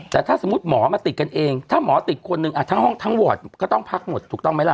แต่ถ้าสมมุติหมอมาติดกันเองถ้าหมอติดคนหนึ่งทั้งห้องทั้งวอร์ดก็ต้องพักหมดถูกต้องไหมล่ะ